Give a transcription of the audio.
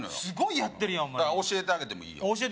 すごいやってるやん教えてあげてもいいよ